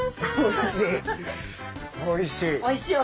おいしい。